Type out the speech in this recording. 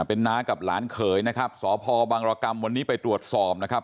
เป็นน้ากับหลานเขยนะครับสพบังรกรรมวันนี้ไปตรวจสอบนะครับ